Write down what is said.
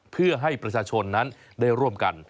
เพื่อให้ประชาชนนั้นได้ร่วมกัน